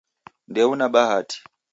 Ndeuna bahati